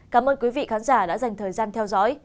cảm ơn quý vị khán giả đã dành thời gian theo dõi